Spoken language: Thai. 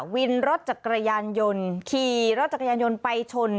วินรถจักรยานยนต์ขี่รถจักรยานยนต์ไปชน